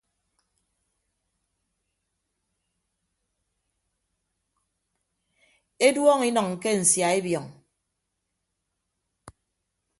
Eduọñọ inʌñ ke nsia ebiọñ.